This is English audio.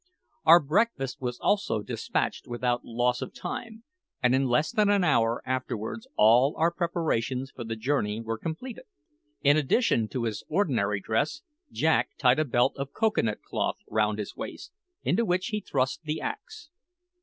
Our breakfast was also despatched without loss of time, and in less than an hour afterwards all our preparations for the journey were completed. In addition to his ordinary dress, Jack tied a belt of cocoa nut cloth round his waist, into which he thrust the axe.